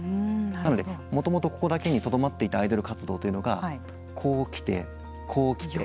なので、もともとここだけにとどまっていたアイドル活動というのがこう来て、こう来て。